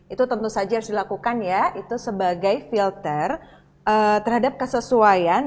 itu tentu saja harus dilakukan ya itu sebagai filter terhadap kesesuaian